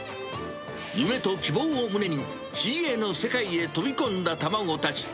夢と希望を胸に、ＣＡの世界へ飛び込んだ卵たち。